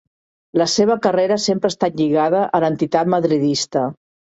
La seva carrera sempre ha estat lligada a l'entitat madridista.